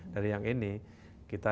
dari yang ini kita